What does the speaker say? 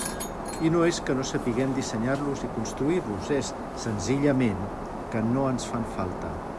I no és que no sapiguem dissenyar-los i construir-los, és, senzillament, que no ens fan falta.